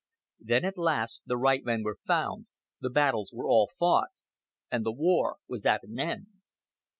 Then, at last, the right men were found, the battles were all fought, and the war was at an end.